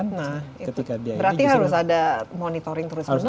nah berarti harus ada monitoring terus menerus